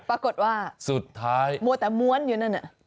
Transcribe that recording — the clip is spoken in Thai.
ปรากฏว่ามวดแต่มวดอยู่นั่น